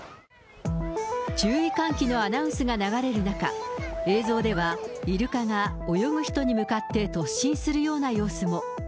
注意喚起のアナウンスが流れる中、映像では、イルカが泳ぐ人に向かって突進するような様子も。